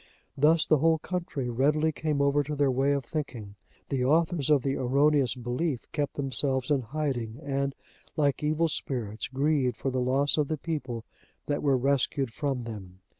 Thus the whole country readily came over to their way of thinking; the authors of the erroneous belief kept themselves in hiding, and, like evil spirits, grieved for the loss of the people that were rescued from them.